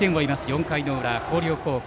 ４回の裏広陵高校。